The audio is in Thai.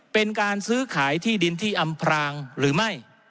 เป็นการซื้อขายที่ดินที่อำพรางหรือไม่